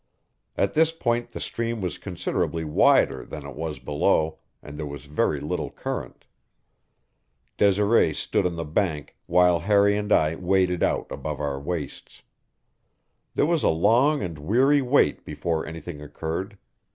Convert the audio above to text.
At this point the stream was considerably wider than it was below, and there was very little current. Desiree stood on the bank while Harry and I waded out above our waists. There was a long and weary wait before anything occurred.